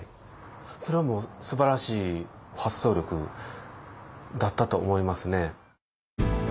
それはもうすばらしい発想力だったと思いますね。